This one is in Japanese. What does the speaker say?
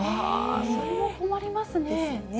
それは困りますね。